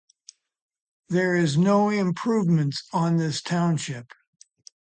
There is no improvements on this Township.